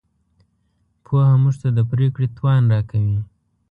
پوهه موږ ته د پرېکړې توان راکوي.